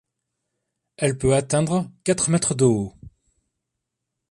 Elle peut atteindre quatre mètres de haut.